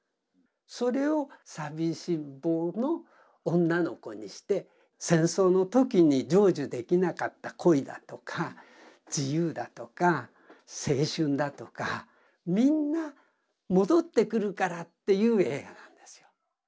それを「さびしんぼう」の女の子にして戦争の時に成就できなかった恋だとか自由だとか青春だとかみんな戻ってくるからっていう映画なんですよ。